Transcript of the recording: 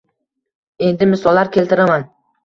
Endi misollar keltiraman: